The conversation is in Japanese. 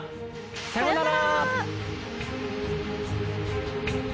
さよなら。